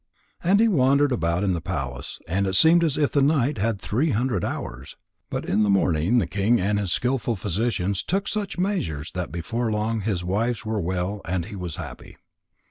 And he wandered about in the palace, and it seemed as if the night had three hundred hours. But in the morning the king and his skilful physicians took such measures that before long his wives were well and he was happy.